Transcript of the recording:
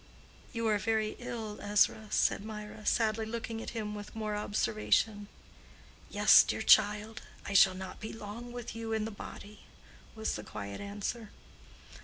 "You are very ill, Ezra," said Mirah, sadly looking at him with more observation. "Yes, dear child, I shall not be long with you in the body," was the quiet answer.